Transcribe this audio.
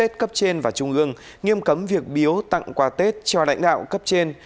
cấp trên và trung ương nghiêm cấm việc biếu tặng quà tết cho lãnh đạo cấp trên